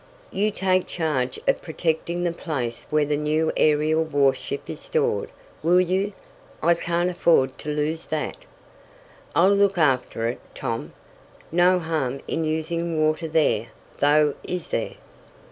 "You take charge of protecting the place where the new aerial warship is stored. Will you? I can't afford to lose that." "I'll look after it, Tom. No harm in using water there, though; is there?"